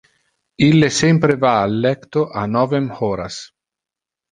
Ille sempre va al lecto a novem horas.